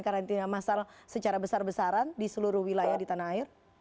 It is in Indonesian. karantina masal secara besar besaran di seluruh wilayah di tanah air